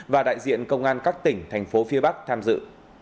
và đại diện công an các tỉnh thành phố phía bắc tham dự